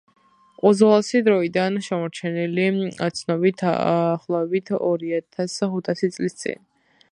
უძველესი დროიდან შემორჩენილი ცნობით, დაახლოებით ორიათს ხუთასი წლის წინ,